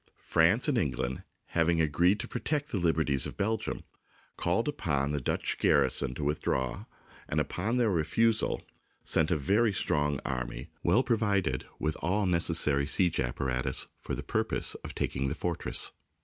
France and England, having agreed to protect the liberties of Belgium, called upon the Dutch garrison to withdraw, and upon their refusal, sent a very strong army, well provided THE BOOK OF FAMOUS SIEGES with all necessary siege apparatus, for the purpose of taking the fortress.